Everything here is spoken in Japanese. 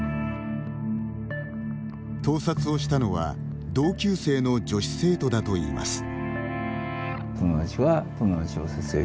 盗撮をしたのは同級生の女子生徒だといいます。